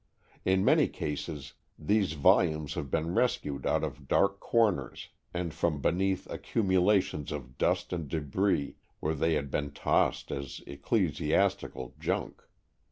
In many cases these volumes have been rescued out of dark corners and from beneath accumulations of dust and débris where they had been tossed as ecclesiastical junk.